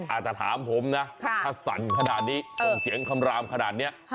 อาจจะถามผมนะถ้าสั่นขนาดนี้ส่งเสียงคำรามขนาดนี้